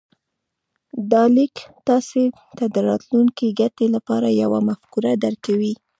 دا ليک تاسې ته د راتلونکې ګټې لپاره يوه مفکوره درکوي.